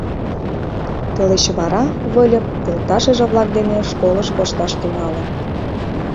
Тылеч вара Выльып йолташыже-влак дене школыш кошташ тӱҥалын.